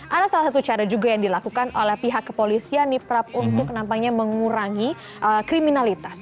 ada salah satu cara juga yang dilakukan oleh pihak kepolisian niprap untuk mengurangi kriminalitas